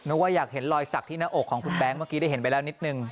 ว่าอยากเห็นรอยสักที่หน้าอกของคุณแบงค์เมื่อกี้ได้เห็นไปแล้วนิดนึง